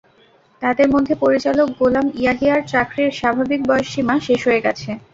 তাঁদের মধ্যে পরিচালক গোলাম ইয়াহিয়ার চাকরির স্বাভাবিক বয়সসীমা শেষ হয়ে গেছে।